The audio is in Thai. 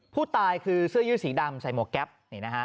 ผู้ตายคือเสื้อยู้สีดำใส่หมวกแก๊ปขันปีกหมวกมาด้านหลัง